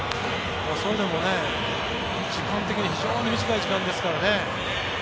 それでも時間的に非常に短い時間ですからね。